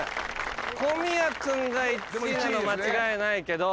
小宮君が１位なの間違いないけど。